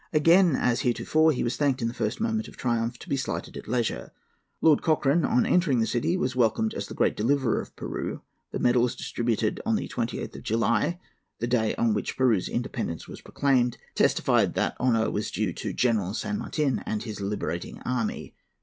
Again, as heretofore, he was thanked in the first moment of triumph, to be slighted at leisure. Lord Cochrane, on entering the city, was welcomed as the great deliverer of Peru: the medals distributed on the 28th of July—the day on which Peru's independence was proclaimed—testified that the honour was due to General San Martin and his Liberating Army.